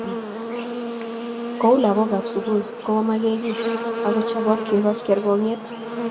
Kou lagokab sukul komamakekiy akocheboto kekoch kergongyet